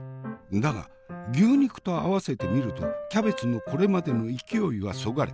だが牛肉と合わせてみるとキャベツのこれまでの勢いはそがれ